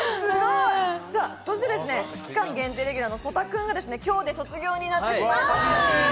そして期間限定レギュラーの曽田君が今日で卒業になってしまいます。